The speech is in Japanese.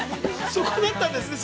◆そこだったんですね。